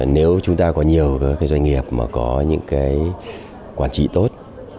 nếu chúng ta có nhiều các cái doanh nghiệp mà có những cái quản trị tốt